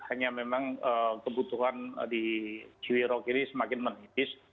hanya memang kebutuhan di ciwirok ini semakin menipis